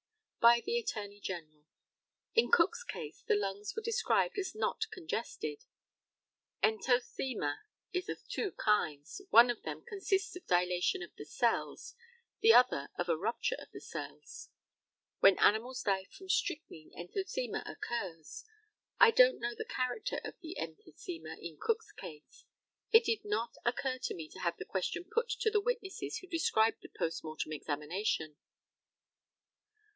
By the ATTORNEY GENERAL: In Cook's case the lungs were described as not congested. Entosthema is of two kinds; one of them consists of dilation of the cells, the other of a rupture of the cells. When animals die from strychnine entosthema occurs. I do not know the character of the entosthema in Cook's case. It did not occur to me to have the question put to the witnesses who described the post mortem examination.